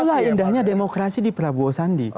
itulah indahnya demokrasi di prabowo sandi